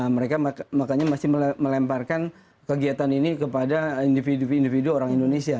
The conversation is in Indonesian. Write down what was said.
mereka makanya masih melemparkan kegiatan ini kepada individu individu orang indonesia